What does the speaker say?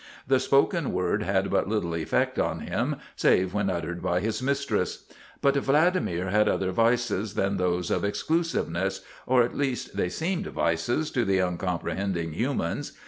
The spoken word had but little effect on him save when uttered by his mistress. But Vladimir had other vices than those of ex clusiveness or at least they seemed vices to the uncomprehending humans.